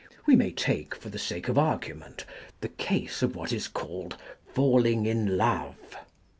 We may take, for the sake of argument, the case of what is called falling in love.